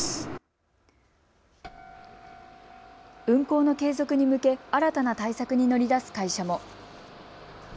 運行の継続に向け、新たな対策に乗り出す会社も。